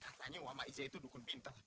katanya wama ijah itu dukun pintu mbah